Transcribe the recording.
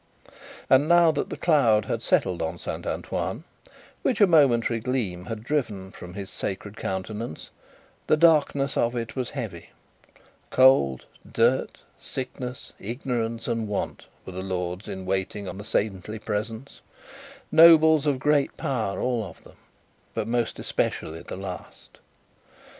And now that the cloud settled on Saint Antoine, which a momentary gleam had driven from his sacred countenance, the darkness of it was heavy cold, dirt, sickness, ignorance, and want, were the lords in waiting on the saintly presence nobles of great power all of them; but, most especially the last.